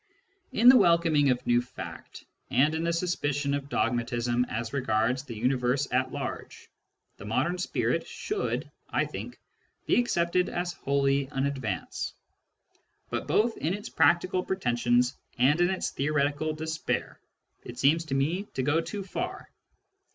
In the welcoming of new fact, and in the suspicion of dogmatism as regards the universe at large, the modern spirit should, I think, be accepted as wholly an advance. But both in its practical pretensions and in its theoretical despair it seems to me to go too far.